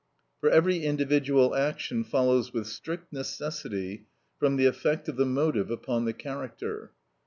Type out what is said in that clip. For every individual action follows with strict necessity from the effect of the motive upon the character.